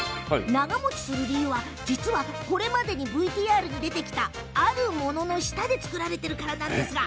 長もちする理由は、実はこれまでにＶＴＲに出てきたあるものの下で作られているからなんですよ。